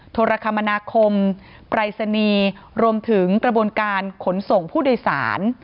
โทรคมนาคมปรายศนีย์รวมถึงกระบวนการขนส่งผู้โดยสาร